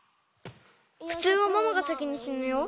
ふつうはママが先にしぬよ。